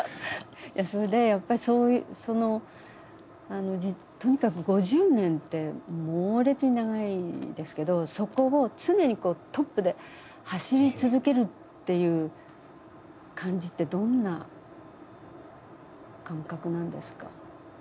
それでやっぱりそのとにかく５０年って猛烈に長いですけどそこを常にこうトップで走り続けるっていう感じってどんな感覚なんですか？